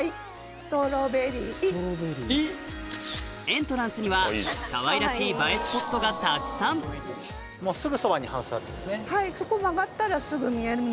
エントランスにはかわいらしい映えスポットがたくさんはい。